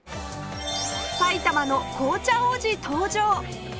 埼玉の紅茶王子登場！